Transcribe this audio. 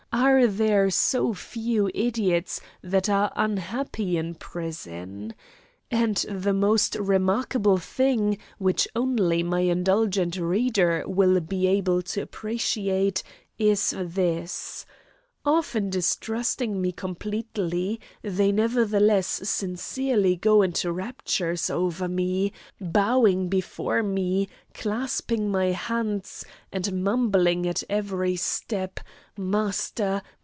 Are there so few idiots that are unhappy in prison? And the most remarkable thing, which only my indulgent reader will be able to appreciate, is this: Often distrusting me completely, they nevertheless sincerely go into raptures over me, bowing before me, clasping my hands and mumbling at every step, "Master!